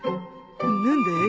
何だい？